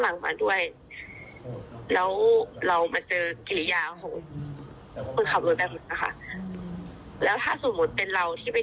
แล้วถ้าสมมุติเป็นเราที่ไปเที่ยวต่างประเทศ